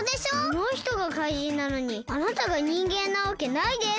あのひとがかいじんなのにあなたがにんげんなわけないです。